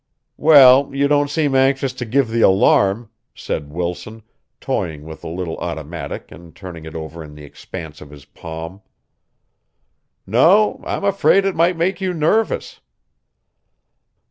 "Well, you don't seem anxious to give the alarm," said Wilson, toying with the little automatic and turning it over in the expanse of his palm. "No, I'm afraid it might make you nervous."